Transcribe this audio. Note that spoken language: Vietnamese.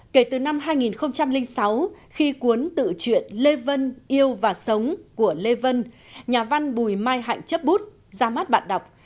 kể từ năm hai nghìn sáu khi cuốn tự truyện lê vân yêu và sống của lê vân nhà văn bùi mai hạnh chấp bút ra mắt bạn đọc